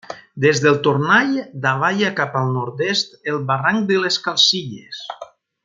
Des del Tornall davalla cap al nord-est el Barranc de les Calcilles.